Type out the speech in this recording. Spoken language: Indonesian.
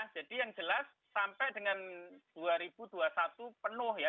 jadi yang jelas sampai dengan dua ribu dua puluh satu penuh ya